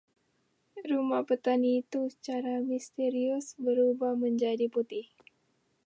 Rumah petani itu secara misterius berubah menjadi putih.